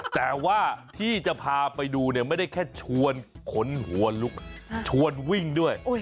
แต่ว่าที่จะพาไปดูเนี่ยไม่ได้แค่ชวนขนหัวลุกชวนวิ่งด้วย